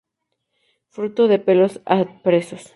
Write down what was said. Fruto de pelos adpresos.